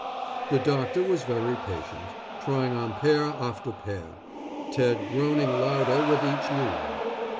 The doctor was very patient, trying on pair after pair, Ted groaning louder with each new one.